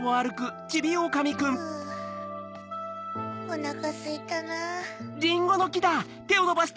フゥおなかすいたなぁ。